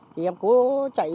thì em cố chạy